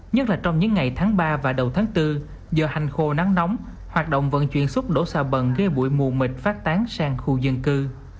nhất là trong những ngày tháng ba và đầu tháng bốn do hành khô nắng nóng hoạt động vận chuyển xúc đổ xà bần gây bụi mù mịt phát tán sang khu dân cư